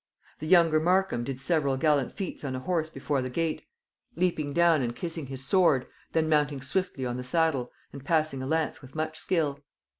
The younger Markham did several gallant feats on a horse before the gate, leaping down and kissing his sword, then mounting swiftly on the saddle, and passing a lance with much skill.